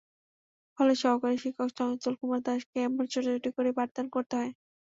ফলে সহকারী শিক্ষক চঞ্চল কুমার দাসকে এমন ছোটাছুটি করেই পাঠদান করতে হয়।